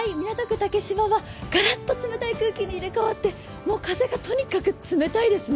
竹芝はガラッと冷たい空気に入れ替わって風がとにかく冷たいですね。